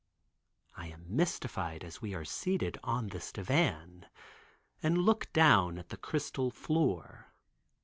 I am mystified as we are seated on this divan, and look down at the crystal floor.